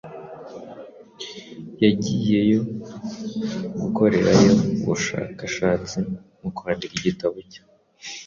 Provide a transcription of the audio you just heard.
Yagiyeyo gukorerayo ubushakashatsi mu kwandika igitabo cye.